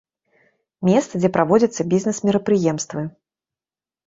Месца, дзе праводзяцца бізнес-мерапрыемствы.